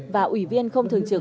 và ủy viên không thường trực